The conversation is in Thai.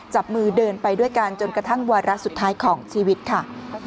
จับมือเดินไปด้วยกันจนกระทั่งวาระสุดท้ายของชีวิตค่ะ